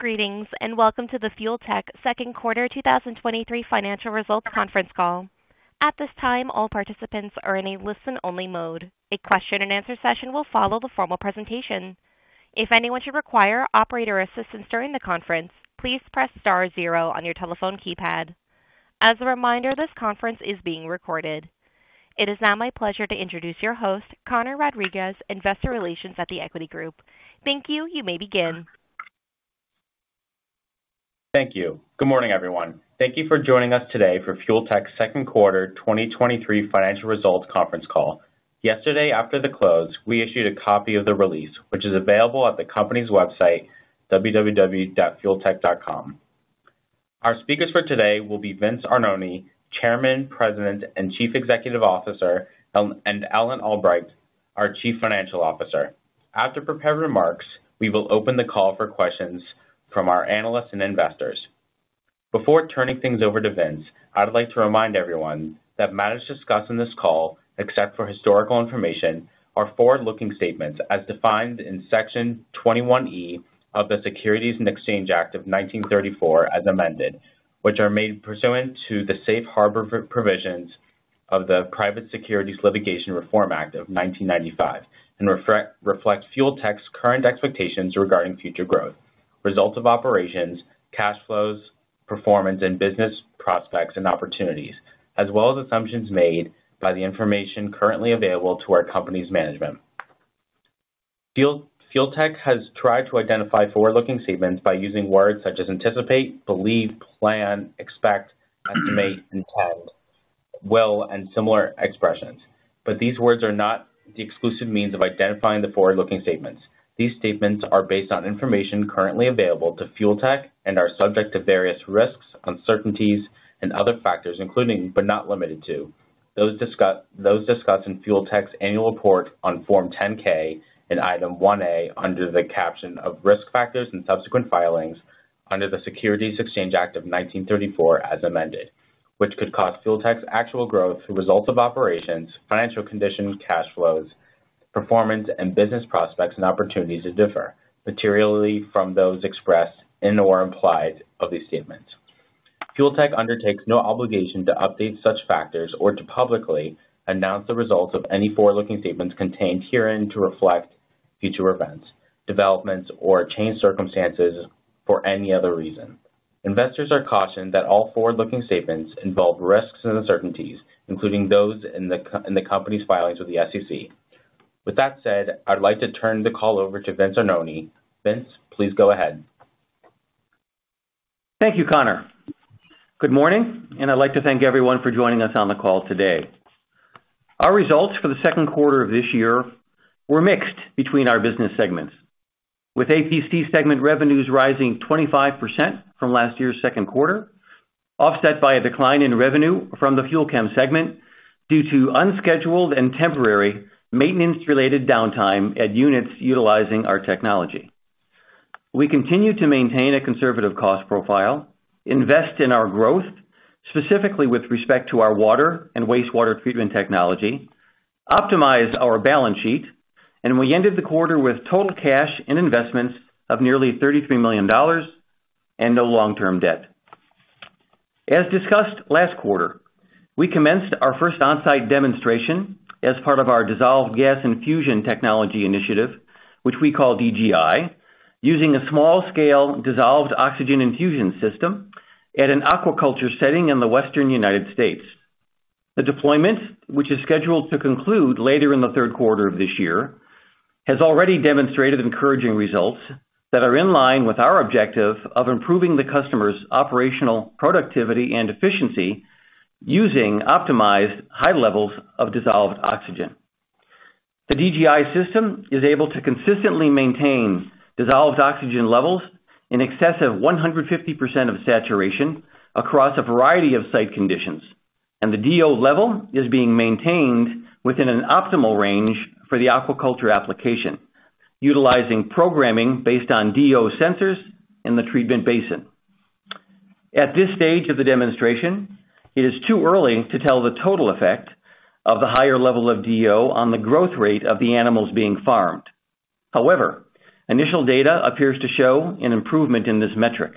Greetings, and welcome to the Fuel Tech 2nd Quarter 2023 financial results conference call. At this time, all participants are in a listen-only mode. A question and answer session will follow the formal presentation. If anyone should require operator assistance during the conference, please press star zero on your telephone keypad. As a reminder, this conference is being recorded. It is now my pleasure to introduce your host, Conor Rodriguez, Investor Relations at The Equity Group. Thank you. You may begin. Thank you. Good morning, everyone. Thank you for joining us today for Fuel Tech's 2nd quarter 2023 financial results conference call. Yesterday, after the close, we issued a copy of the release, which is available at the company's website, www.fueltech.com. Our speakers for today will be Vince Arnone, Chairman, President, and Chief Executive Officer, and Ellen Albrecht, our Chief Financial Officer. After prepared remarks, we will open the call for questions from our analysts and investors. Before turning things over to Vince, I'd like to remind everyone that matters discussed on this call, except for historical information, are forward-looking statements as defined in Section 21E of the Securities Exchange Act of 1934, as amended, which are made pursuant to the safe harbor provisions of the Private Securities Litigation Reform Act of 1995 and reflect Fuel Tech's current expectations regarding future growth, results of operations, cash flows, performance, and business prospects and opportunities, as well as assumptions made by the information currently available to our company's management. Fuel Tech has tried to identify forward-looking statements by using words such as anticipate, believe, plan, expect, estimate, intend, will, and similar expressions, but these words are not the exclusive means of identifying the forward-looking statements. These statements are based on information currently available to Fuel Tech and are subject to various risks, uncertainties, and other factors, including, but not limited to, those discussed in Fuel Tech's annual report on Form 10-K in Item 1A under the caption of Risk Factors and Subsequent Filings under the Securities Exchange Act of 1934, as amended, which could cause Fuel Tech's actual growth, results of operations, financial conditions, cash flows, performance, and business prospects and opportunities to differ materially from those expressed in or implied of these statements. Fuel Tech undertakes no obligation to update such factors or to publicly announce the results of any forward-looking statements contained herein to reflect future events, developments, or changed circumstances for any other reason. Investors are cautioned that all forward-looking statements involve risks and uncertainties, including those in the company's filings with the SEC. With that said, I'd like to turn the call over to Vince Arnone. Vince, please go ahead. Thank you, Conor. Good morning, I'd like to thank everyone for joining us on the call today. Our results for the second quarter of this year were mixed between our business segments, with APC segment revenues rising 25% from last year's second quarter, offset by a decline in revenue from the FUEL CHEM segment due to unscheduled and temporary maintenance-related downtime at units utilizing our technology. We continue to maintain a conservative cost profile, invest in our growth, specifically with respect to our water and wastewater treatment technology, optimize our balance sheet, we ended the quarter with total cash and investments of nearly $33 million and no long-term debt. As discussed last quarter, we commenced our first on-site demonstration as part of our Dissolved Gas Infusion technology initiative, which we call DGI, using a small-scale dissolved oxygen infusion system at an aquaculture setting in the western United States. The deployment, which is scheduled to conclude later in the third quarter of this year, has already demonstrated encouraging results that are in line with our objective of improving the customer's operational productivity and efficiency using optimized high levels of dissolved oxygen. The DGI system is able to consistently maintain dissolved oxygen levels in excess of 150% of saturation across a variety of site conditions, and the DO level is being maintained within an optimal range for the aquaculture application, utilizing programming based on DO sensors in the treatment basin. At this stage of the demonstration, it is too early to tell the total effect of the higher level of DO on the growth rate of the animals being farmed. However, initial data appears to show an improvement in this metric.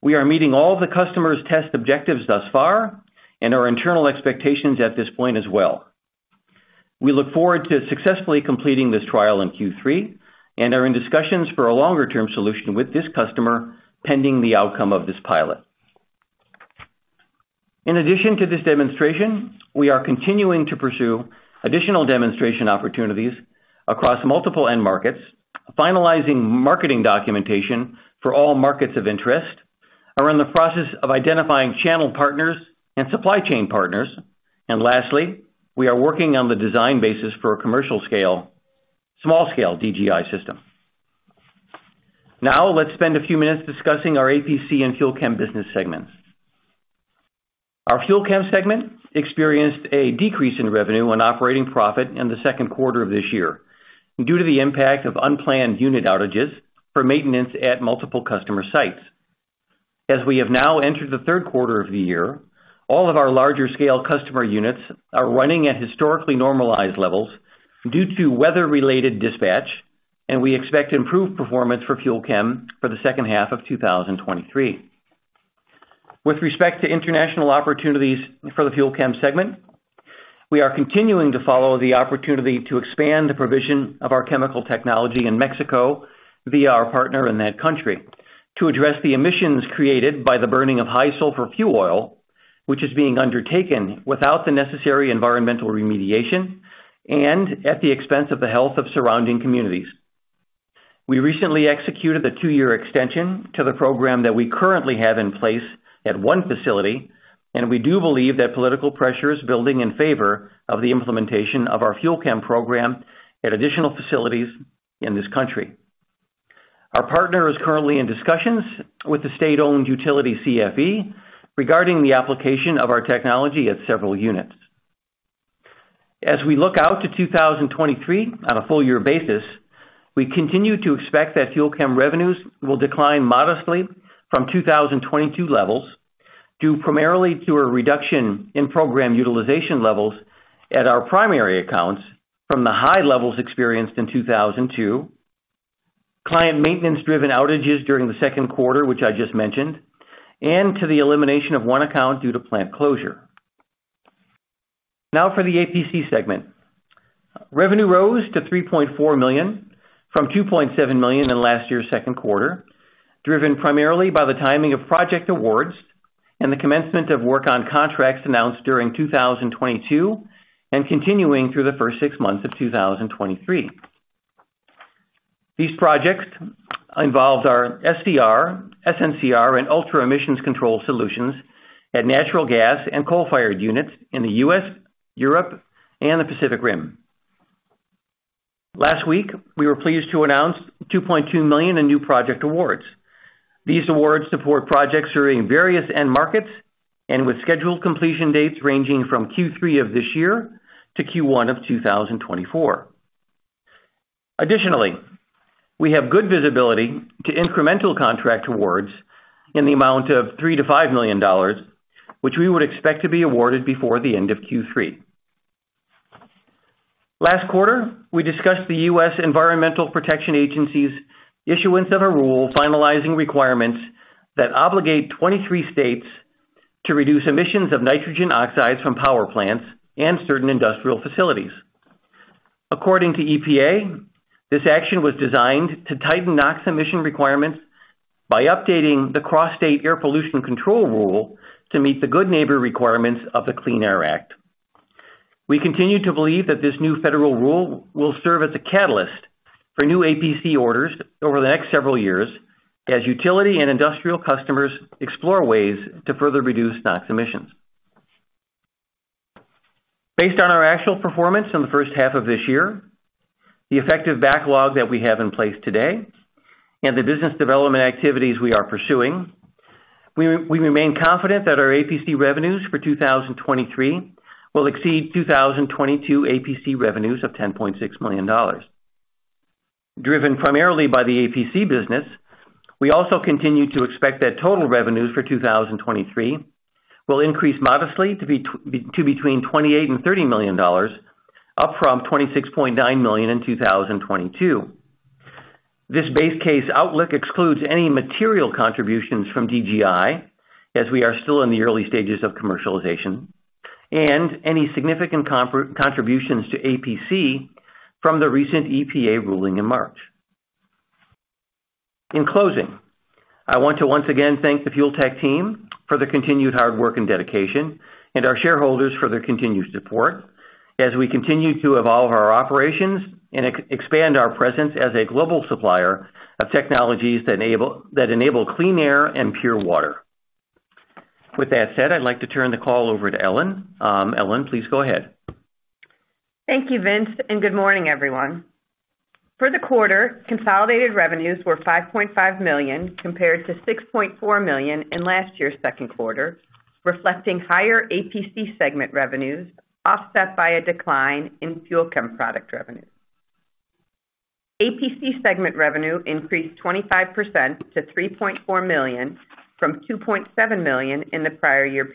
We are meeting all of the customer's test objectives thus far and our internal expectations at this point as well. We look forward to successfully completing this trial in Q3 and are in discussions for a longer-term solution with this customer, pending the outcome of this pilot. In addition to this demonstration, we are continuing to pursue additional demonstration opportunities across multiple end markets, finalizing marketing documentation for all markets of interest, are in the process of identifying channel partners and supply chain partners, and lastly, we are working on the design basis for a commercial scale, small scale DGI system. Now, let's spend a few minutes discussing our APC and FUEL CHEM business segments. Our FUEL CHEM segment experienced a decrease in revenue and operating profit in the 2nd quarter of this year due to the impact of unplanned unit outages for maintenance at multiple customer sites. As we have now entered the 3rd quarter of the year, all of our larger scale customer units are running at historically normalized levels due to weather-related dispatch, and we expect improved performance for FUEL CHEM for the 2nd half of 2023. With respect to international opportunities for the FUEL CHEM segment, we are continuing to follow the opportunity to expand the provision of our chemical technology in Mexico via our partner in that country, to address the emissions created by the burning of high-sulfur fuel oil, which is being undertaken without the necessary environmental remediation and at the expense of the health of surrounding communities. We recently executed a two-year extension to the program that we currently have in place at one facility, and we do believe that political pressure is building in favor of the implementation of our FUEL CHEM program at additional facilities in this country. Our partner is currently in discussions with the state-owned utility, CFE, regarding the application of our technology at several units. As we look out to 2023 on a full year basis, we continue to expect that FUEL CHEM revenues will decline modestly from 2022 levels, due primarily to a reduction in program utilization levels at our primary accounts from the high levels experienced in 2002, client maintenance-driven outages during the 2nd quarter, which I just mentioned, and to the elimination of one account due to plant closure. For the APC segment. Revenue rose to $3.4 million, from $2.7 million in last year's 2nd quarter, driven primarily by the timing of project awards and the commencement of work on contracts announced during 2022, and continuing through the first six months of 2023. These projects involved our SCR, SNCR, and ULTRA emissions control solutions at natural gas and coal-fired units in the U.S., Europe, and the Pacific Rim. Last week, we were pleased to announce $2.2 million in new project awards. These awards support projects serving various end markets and with scheduled completion dates ranging from Q3 of this year to Q1 of 2024. Additionally, we have good visibility to incremental contract awards in the amount of $3 million-$5 million, which we would expect to be awarded before the end of Q3. Last quarter, we discussed the U.S. Environmental Protection Agency's issuance of a rule finalizing requirements that obligate 23 states to reduce emissions of nitrogen oxides from power plants and certain industrial facilities. According to EPA, this action was designed to tighten NOx emission requirements by updating the Cross-State Air Pollution Control Rule to meet the Good Neighbor requirements of the Clean Air Act. We continue to believe that this new federal rule will serve as a catalyst for new APC orders over the next several years, as utility and industrial customers explore ways to further reduce NOx emissions. Based on our actual performance in the first half of this year, the effective backlog that we have in place today, and the business development activities we are pursuing, we remain confident that our APC revenues for 2023 will exceed 2022 APC revenues of $10.6 million. Driven primarily by the APC business, we also continue to expect that total revenues for 2023 will increase modestly to be, to between $28 million and $30 million, up from $26.9 million in 2022. This base case outlook excludes any material contributions from DGI, as we are still in the early stages of commercialization, and any significant contributions to APC from the recent EPA ruling in March. In closing, I want to once again thank the Fuel Tech team for their continued hard work and dedication, and our shareholders for their continued support as we continue to evolve our operations and expand our presence as a global supplier of technologies that enable, that enable clean air and pure water. With that said, I'd like to turn the call over to Ellen. Ellen, please go ahead. Thank you, Vince, and good morning, everyone. For the quarter, consolidated revenues were $5.5 million, compared to $6.4 million in last year's 2nd quarter, reflecting higher APC segment revenues, offset by a decline in FUEL CHEM product revenue. APC segment revenue increased 25% to $3.4 million, from $2.7 million in the prior year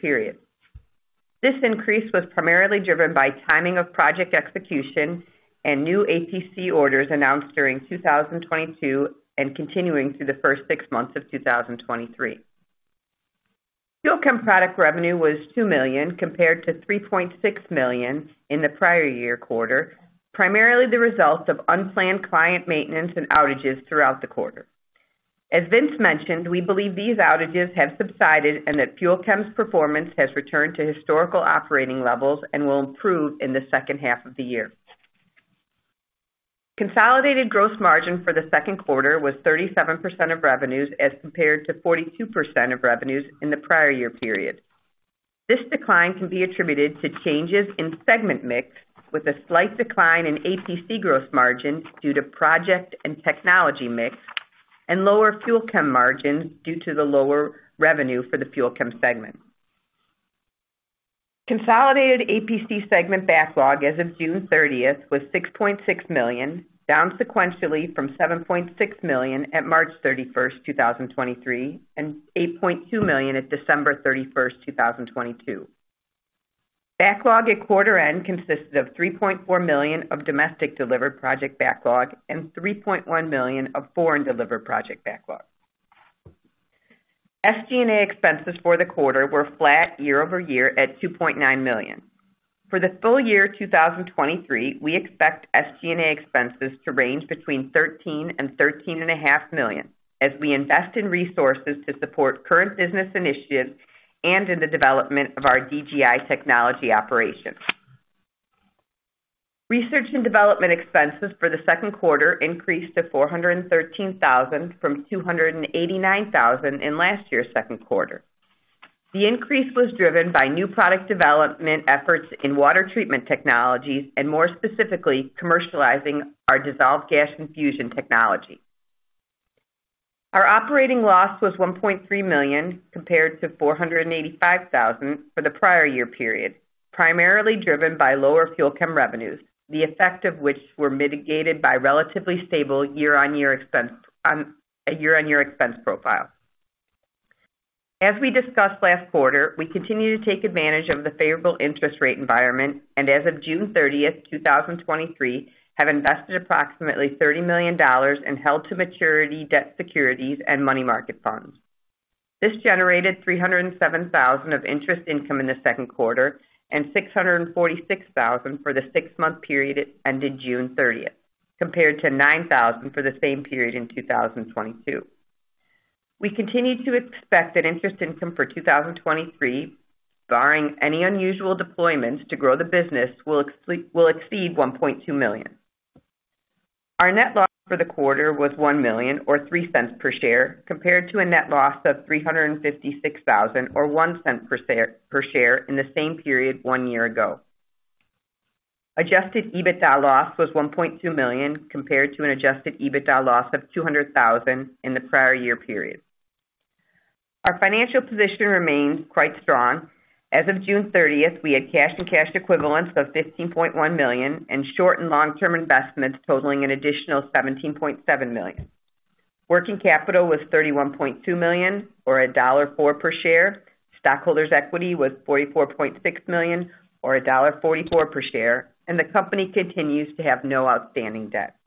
period. This increase was primarily driven by timing of project execution and new APC orders announced during 2022 and continuing through the first six months of 2023. FUEL CHEM product revenue was $2 million, compared to $3.6 million in the prior year quarter, primarily the result of unplanned client maintenance and outages throughout the quarter. As Vince mentioned, we believe these outages have subsided and that FUEL CHEM's performance has returned to historical operating levels and will improve in the 2nd half of the year. Consolidated gross margin for the 2nd quarter was 37% of revenues, as compared to 42% of revenues in the prior year period. This decline can be attributed to changes in segment mix, with a slight decline in APC gross margin due to project and technology mix, and lower FUEL CHEM margins due to the lower revenue for the FUEL CHEM segment....Consolidated APC segment backlog as of June 30th was $6.6 million, down sequentially from $7.6 million at March 31st, 2023, and $8.2 million at December 31st, 2022. Backlog at quarter end consisted of $3.4 million of domestic delivered project backlog and $3.1 million of foreign delivered project backlog. SG&A expenses for the quarter were flat year-over-year at $2.9 million. For the full year 2023, we expect SG&A expenses to range between $13 million and $13.5 million as we invest in resources to support current business initiatives and in the development of our DGI technology operations. Research and development expenses for the second quarter increased to $413,000 from $289,000 in last year's 2nd quarter. The increase was driven by new product development efforts in water treatment technologies and more specifically, commercializing our Dissolved Gas Infusion technology. Our operating loss was $1.3 million, compared to $485,000 for the prior year period, primarily driven by lower FUEL CHEM revenues, the effect of which were mitigated by relatively stable year-on-year expense, a year-on-year expense profile. As we discussed last quarter, we continue to take advantage of the favorable interest rate environment, and as of June 30th, 2023, have invested approximately $30 million and held-to-maturity debt securities and money market funds. This generated $307,000 of interest income in the 2nd quarter and $646,000 for the six-month period ended June 30th, compared to $9,000 for the same period in 2022. We continue to expect that interest income for 2023, barring any unusual deployments to grow the business, will exceed $1.2 million. Our net loss for the quarter was $1 million or $0.03 per share, compared to a net loss of $356,000 or $0.01 per share in the same period one year ago. Adjusted EBITDA loss was $1.2 million, compared to an Adjusted EBITDA loss of $200,000 in the prior year period. Our financial position remains quite strong. As of June 30th, we had cash and cash equivalents of $15.1 million and short and long-term investments totaling an additional $17.7 million. Working capital was $31.2 million or $1.04 per share. Stockholders' equity was $44.6 million or $1.44 per share, and the company continues to have no outstanding debt.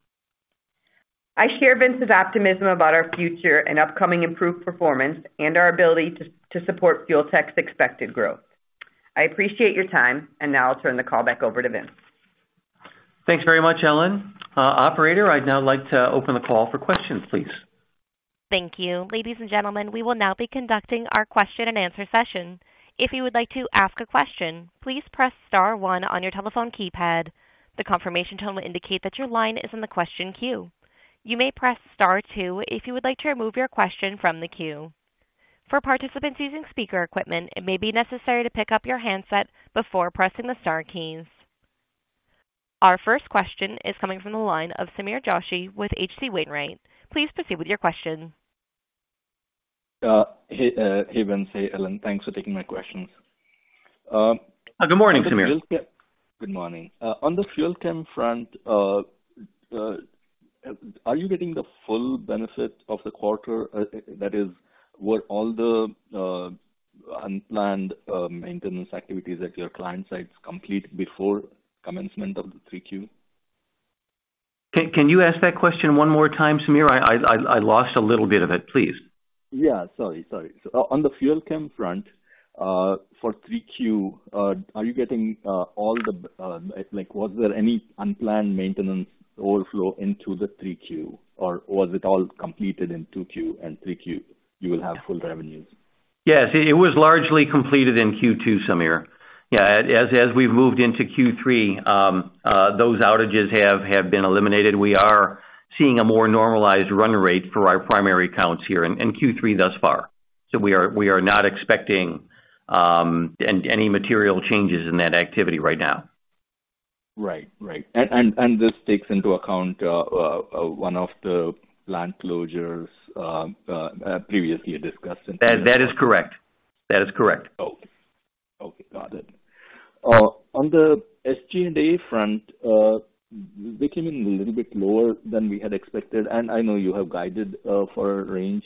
I share Vince's optimism about our future and upcoming improved performance and our ability to support Fuel Tech's expected growth. I appreciate your time, and now I'll turn the call back over to Vince. Thanks very much, Ellen. Operator, I'd now like to open the call for questions, please. Thank you. Ladies and gentlemen, we will now be conducting our question-and-answer session. If you would like to ask a question, please press star one on your telephone keypad. The confirmation tone will indicate that your line is in the question queue. You may press star two if you would like to remove your question from the queue. For participants using speaker equipment, it may be necessary to pick up your handset before pressing the star keys. Our first question is coming from the line of Sameer Joshi with H.C. Wainwright. Please proceed with your question. Hey, hey, Vince. Hey, Ellen. Thanks for taking my questions. Good morning, Sameer. Good morning. On the FUEL CHEM front, are you getting the full benefit of the quarter? That is, were all the unplanned maintenance activities at your client sites complete before commencement of the 3Q? Can you ask that question one more time, Sameer? I lost a little bit of it. Please. Yeah, sorry, sorry. On the FUEL CHEM front, for 3Q, are you getting, all the, like, was there any unplanned maintenance overflow into the 3Q, or was it all completed in 2Q and 3Q, you will have full revenues? Yes, it was largely completed in Q2, Sameer. Yeah, as, as we've moved into Q3, those outages have, have been eliminated. We are seeing a more normalized run rate for our primary accounts here in, in Q3 thus far. We are, we are not expecting any material changes in that activity right now. Right. Right. This takes into account one of the plant closures previously discussed? That, that is correct. That is correct. Okay. Okay, got it. On the SG&A front, we came in a little bit lower than we had expected, and I know you have guided for a range,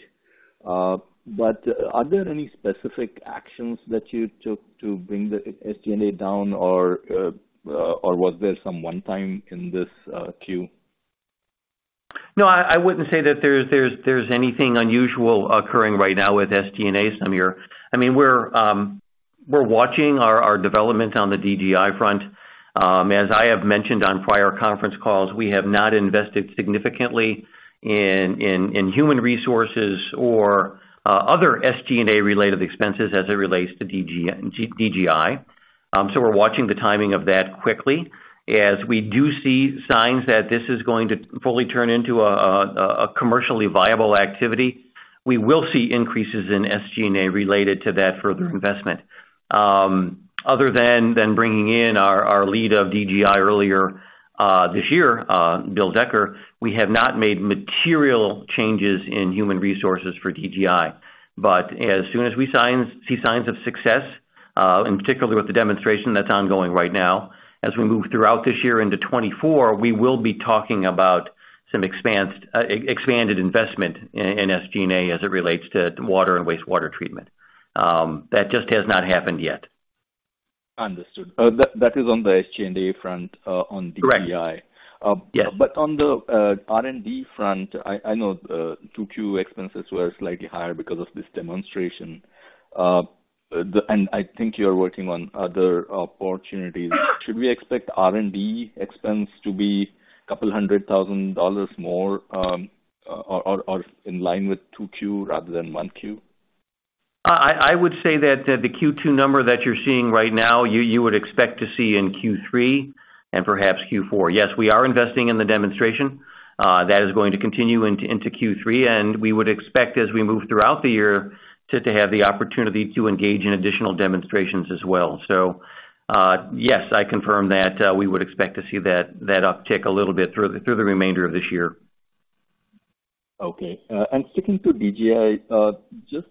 but are there any specific actions that you took to bring the SG&A down, or was there some one-time in this Q? No, I, I wouldn't say that there's, there's, there's anything unusual occurring right now with SG&A, Sameer. I mean, we're watching our, our developments on the DGI front. As I have mentioned on prior conference calls, we have not invested significantly in, in, in human resources or other SG&A-related expenses as it relates to DGI. We're watching the timing of that quickly. As we do see signs that this is going to fully turn into a, a, a commercially viable activity, we will see increases in SG&A related to that further investment. Other than, than bringing in our, our lead of DGI earlier this year, Bill Decker, we have not made material changes in human resources for DGI. As soon as we signs, see signs of success, in particular with the demonstration that's ongoing right now, as we move throughout this year into 2024, we will be talking about some expanse, expanded investment in, in SG&A as it relates to water and wastewater treatment. That just has not happened yet. Understood. That, that is on the SG&A front, on DGI? Correct. Yeah. On the R&D front, I, I know, 2Q expenses were slightly higher because of this demonstration. I think you're working on other opportunities. Should we expect R&D expense to be a couple hundred thousand dollars more, or, or, or in line with 2Q rather than 1Q? I, I would say that, that the Q2 number that you're seeing right now, you, you would expect to see in Q3 and perhaps Q4. Yes, we are investing in the demonstration. That is going to continue into, into Q3, and we would expect, as we move throughout the year, to, to have the opportunity to engage in additional demonstrations as well. Yes, I confirm that we would expect to see that, that uptick a little bit through the, through the remainder of this year. Okay. Sticking to DGI, just,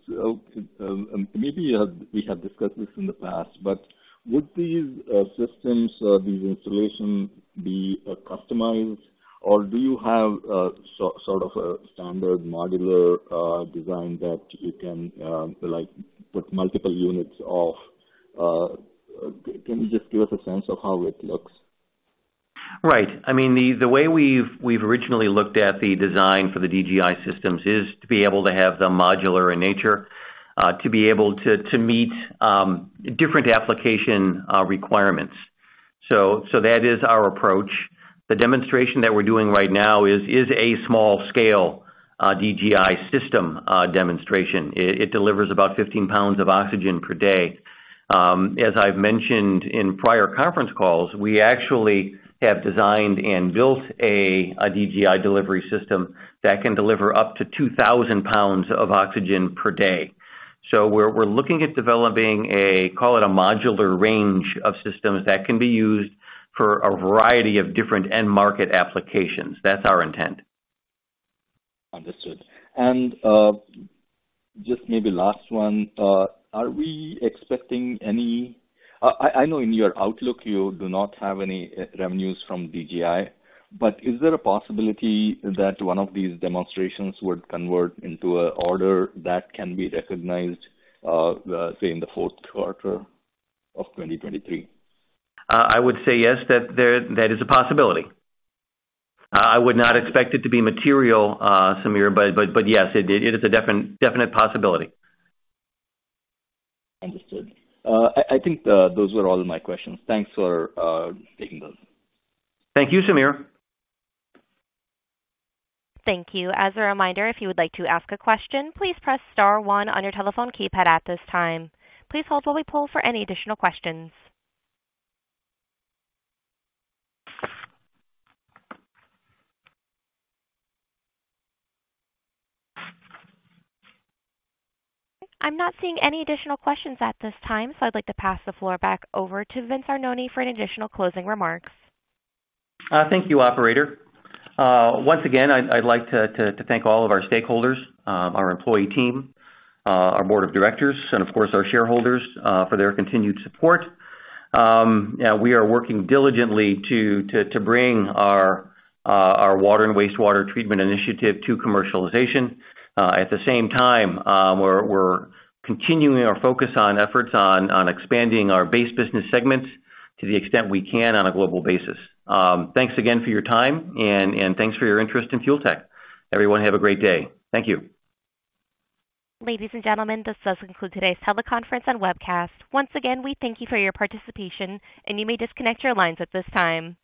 maybe, we have discussed this in the past, but would these systems, these installations be customized, or do you have sort of a standard modular design that you can, like, put multiple units of? Can you just give us a sense of how it looks? Right. I mean, the way we've originally looked at the design for the DGI systems is to be able to have them modular in nature, to be able to meet different application requirements. That is our approach. The demonstration that we're doing right now is a small scale DGI system demonstration. It delivers about 15 pounds of oxygen per day. As I've mentioned in prior conference calls, we actually have designed and built a DGI delivery system that can deliver up to 2,000 lbs of oxygen per day. We're looking at developing a, call it a modular range of systems that can be used for a variety of different end market applications. That's our intent. Understood. Just maybe last one. Are we expecting any... I, I, I know in your outlook, you do not have any revenues from DGI, but is there a possibility that one of these demonstrations would convert into an order that can be recognized, say, in the 4th quarter of 2023? I would say yes, that there, that is a possibility. I would not expect it to be material, Sameer, but, but, but yes, it is a definite possibility. Understood. I, I think, those were all my questions. Thanks for taking those. Thank you, Sameer. Thank you. As a reminder, if you would like to ask a question, please press star one on your telephone keypad at this time. Please hold while we poll for any additional questions. I'm not seeing any additional questions at this time, so I'd like to pass the floor back over to Vince Arnone for any additional closing remarks. Thank you, operator. Once again, I'd, I'd like to thank all of our stakeholders, our employee team, our board of directors, and of course, our shareholders, for their continued support. We are working diligently to bring our water and wastewater treatment initiative to commercialization. At the same time, we're, we're continuing our focus on expanding our base business segments to the extent we can on a global basis. Thanks again for your time and thanks for your interest in Fuel Tech. Everyone, have a great day. Thank you. Ladies and gentlemen, this does conclude today's teleconference and webcast. Once again, we thank you for your participation, and you may disconnect your lines at this time.